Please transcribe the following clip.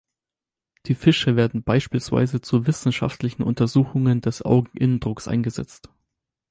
Die Fische werden beispielsweise zu wissenschaftlichen Untersuchungen des Augeninnendrucks eingesetzt.